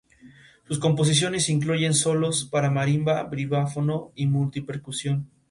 Sus composiciones incluyen solos para marimba, vibráfono y multi-percusión.